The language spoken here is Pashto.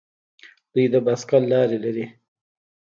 دوی د بایسکل لارې لري.